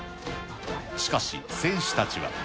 しかし、選手たちは。